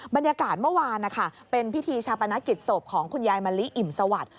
บรรยากาศเมื่อวานนะคะเป็นพิธีชาปนกิจศพของคุณยายมะลิอิ่มสวัสดิ